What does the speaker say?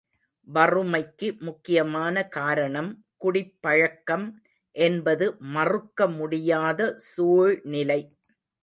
வறுமைக்கு முக்கியமான காரணம் குடிப்பழக்கம் என்பது மறுக்க முடியாத சூழ்நிலை.